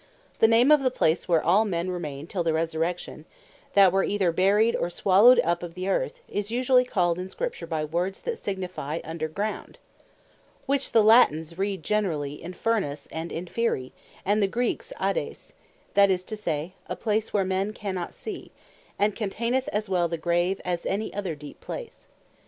The name of the place, where all men remain till the Resurrection, that were either buryed, or swallowed up of the Earth, is usually called in Scripture, by words that signifie Under Ground; which the Latines read generally Infernus, and Inferni, and the Greeks Hades; that is to say, a place where men cannot see; and containeth as well the Grave, as any other deeper place.